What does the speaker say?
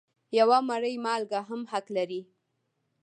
یوه مړۍ مالګه هم حق لري.